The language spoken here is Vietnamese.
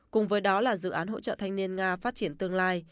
cùng với đó là dự án hỗ trợ thanh niên nga phát triển tương lai